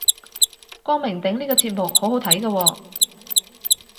光明頂呢個節目好好個喎